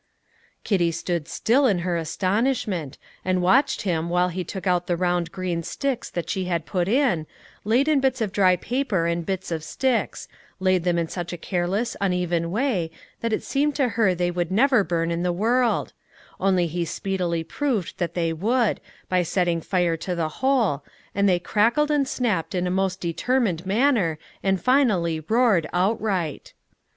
Kitty stood still in her astonishment, and watched him while he took out the round green sticks that she had put in, laid in bits of dry paper and bits of sticks, laid them in such a careless, uneven way, that it seemed to her they would never burn in the world; only he speedily proved that they would, by setting fire to the whole, and they crackled and snapped in a most determined manner, and finally roared outright.